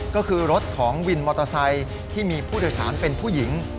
ก็คือรถของวินมอเตอร์ไซค์ที่มีผู้โดยสารเป็นผู้หญิง